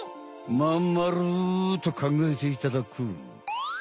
まんまるとかんがえていただこう。